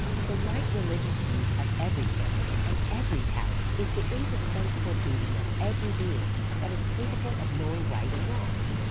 The right religious use of every thing, and every talent, is the indispensable duty of every being that is capable of knowing right and wrong.